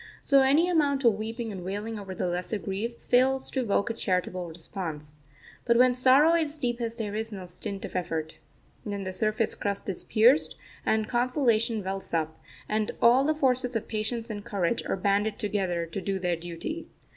So any amount of weeping and wailing over the lesser griefs fails to evoke a charitable response. But when sorrow is deepest there is no stint of effort. Then the surface crust is pierced, and consolation wells up, and all the forces of patience and courage are banded together to do their duty.